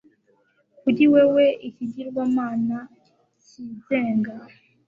Kuri wewe ikigirwamana cyigenga